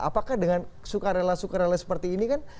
apakah dengan suka rela suka rela seperti ini kan